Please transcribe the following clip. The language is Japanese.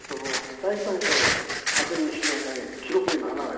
第三者が確認しないかぎり記録にならない。